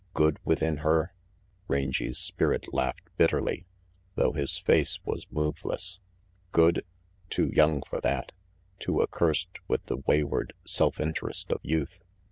Good, within her? Rangy's spirit laughed bitterly, though his face was moveless. Good? Too young for that. Too accursed with the wayward self interest of youth.